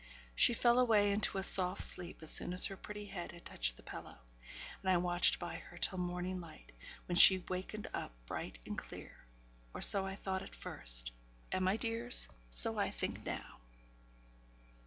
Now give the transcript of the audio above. She fell away into a soft sleep as soon as her pretty head had touched the pillow, and I watched by her till morning light; when she wakened up bright and clear or so I thought at first and, my dears, so I think now.